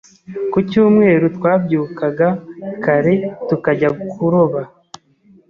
Ku cyumweru, twabyukaga kare tukajya kuroba.